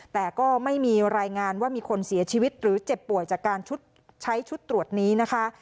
แต่ก็ไม่มีรายงานว่ามีคนเสียชีวิตหรือเจ็บป่วยจากการใช้ชุดตรวจนี้นะคะ